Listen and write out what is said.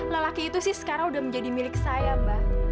lelaki itu sih sekarang udah menjadi milik saya mbak